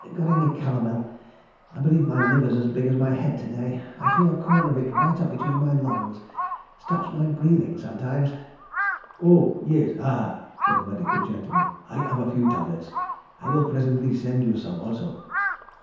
"Got any calomel? I b'lieve my liver's as big as my head to day. I feel a corner of it right up between my lungs. Stops my breathing sometimes. ..." "Oah, yees. Ha! Ha!" said the medical gentleman. "I have a few tablets. I will presently send you some also.